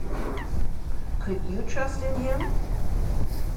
Could you trust in him?